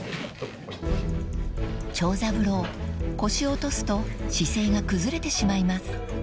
［長三郎腰を落とすと姿勢が崩れてしまいます］